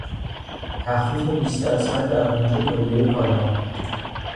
تخفیف بیست درصد در قیمت کلیهی کالاها